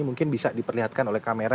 mungkin bisa diperlihatkan oleh kamera